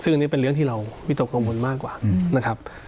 ซึ่งอันนี้เป็นเรื่องที่เราวิตกกังวลมากกว่านะครับ